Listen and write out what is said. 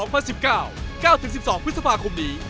จิตชนะเลิศแห่งเอเชีย๒๐๑๙๙๑๒พฤษภาคมนี้